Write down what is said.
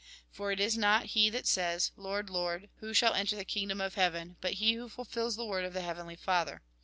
For it is not he that says : Lord, Lord ! who shall enter the kingdom of heaven, but he who fulfils the word of the Heavenly Father.